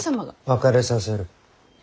別れさせる。